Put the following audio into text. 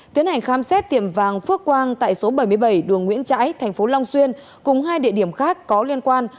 tiến hành khám xét tiệm vàng phước quang tại số bảy mươi bảy đường nguyễn trãi tp long xuyên cùng hai địa điểm khác có liên quan